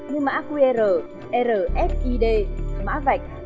như mã qr rfid mã vạch